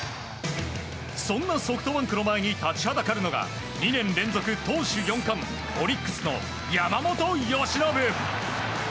そんなソフトバンクの前に立ちはだかるのが２年連続投手四冠オリックスの山本由伸。